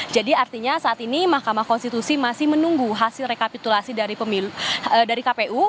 jadi artinya saat ini mahkamah konstitusi masih menunggu hasil rekapitulasi dari kpu